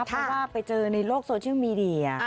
เพราะว่าไปเจอในโลกโซเชียลมีเดีย